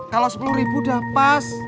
kalau sepuluh ribu udah pas